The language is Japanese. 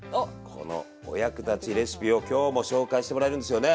このお役立ちレシピを今日も紹介してもらえるんですよね？